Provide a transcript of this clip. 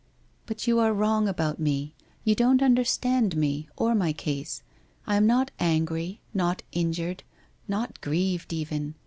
' But you are wrong about me. You don't understand me ; or my case. I am not angry, not injured, not grieved even.